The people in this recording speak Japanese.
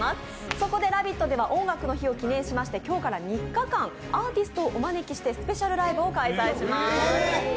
そこで「ラヴィット！」では「音楽の日」を記念しまして今日から３日間、アーティストをお招きしてスペシャルライブを開催します。